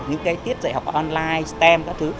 những tiết dạy học online stem các thứ